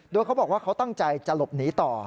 โดยเขาบอกว่าเขาตั้งใจจะหลบหนีต่อ